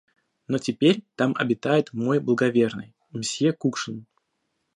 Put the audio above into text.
Но теперь там обитает мой благоверный, мсье Кукшин.